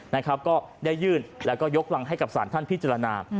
นะครับก็ได้ยื่นแล้วก็ยกรังให้กับสารท่านพิจารณา